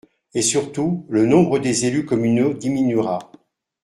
Et surtout, le nombre des élus communaux diminuera.